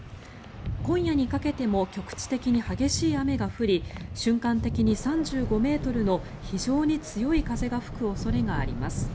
今夜にかけても局地的に激しい雨が降り瞬間的に３５ｍの非常に強い風が吹く恐れがあります。